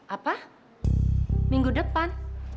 apa minggu depan